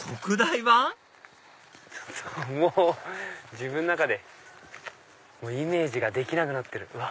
もう自分の中でイメージができなくなってる。